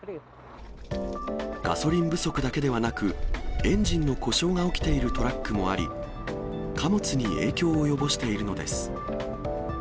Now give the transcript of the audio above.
ガソリン不足だけではなく、エンジンの故障が起きているトラックもあり、貨物に影響を及ぼしているのです。